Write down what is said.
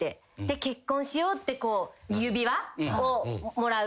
「結婚しよう」ってこう指輪をもらう。